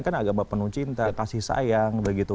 kan agama penuh cinta kasih sayang begitu